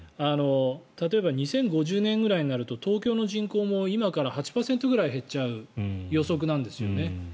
例えば２０５０年ぐらいになると東京の人口も今から８％ぐらい減っちゃう予測なんです。